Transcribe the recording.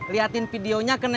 liatin videonya ke neng ani